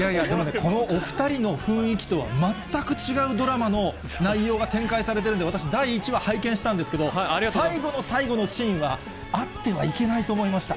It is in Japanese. このお２人の雰囲気とは全く違うドラマの内容が展開されてるんで、私、第１話拝見したんですけど、最後の最後のシーンは、あってはいけないと思いました。